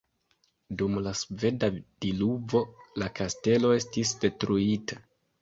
Dum la sveda diluvo la kastelo estis detruita.